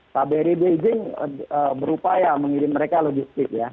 kbri beijing berupaya mengirim mereka logistik ya